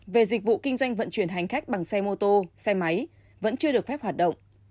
về dịch vụ kinh doanh vận chuyển hành khách bằng xe mô tô xe máy vẫn chưa được phép hoạt động